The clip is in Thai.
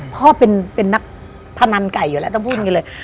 พ่อเป็นนักพนันไก่อยู่แล้วต้องพูดอย่างนี้เลย